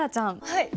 はい。